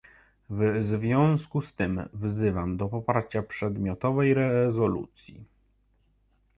W związku z tym wzywam do poparcia przedmiotowej rezolucji